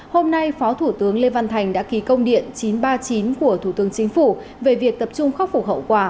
hôm nay phó thủ tướng lê văn thành đã ký công điện chín trăm ba mươi chín của thủ tướng chính phủ về việc tập trung khắc phục hậu quả